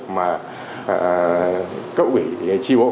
mà cấp ủy tri bộ